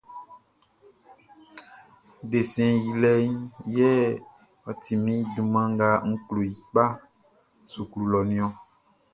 Desɛn yilɛʼn yɛ ɔ ti min junman nga n klo i kpa suklu lɔʼn niɔn.